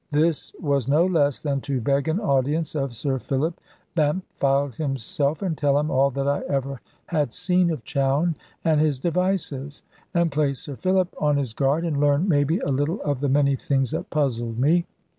This was no less than to beg an audience of Sir Philip Bampfylde himself, and tell him all that I ever had seen of Chowne and his devices, and place Sir Philip on his guard, and learn maybe a little of the many things that puzzled me.